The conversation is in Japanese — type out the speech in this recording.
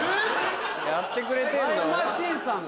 やってくれてんの？